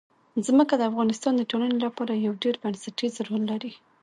ځمکه د افغانستان د ټولنې لپاره یو ډېر بنسټيز رول لري.